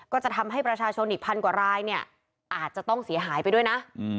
ก็จะทำให้ประชาชนอีกพันกว่ารายเนี่ยอาจจะต้องเสียหายไปด้วยนะ